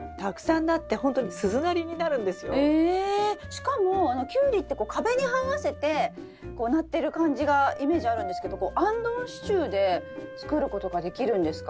しかもキュウリって壁にはわせてこうなってる感じがイメージあるんですけどあんどん支柱で作ることができるんですか？